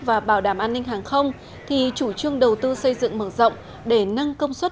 và bảo đảm an ninh hàng không thì chủ trương đầu tư xây dựng mở rộng để nâng công suất